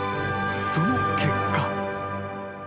［その結果］